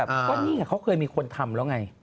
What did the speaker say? ก็นี่ไงเขาเคยมีคนทำแล้วไง